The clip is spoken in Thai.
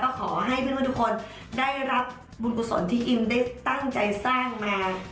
ขอให้เพื่อนทุกคนได้รับบุญกุศลที่อิมได้ตั้งใจสร้างมา